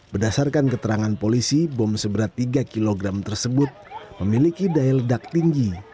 berdasarkan keterangan polisi bom seberat tiga kg tersebut memiliki daya ledak tinggi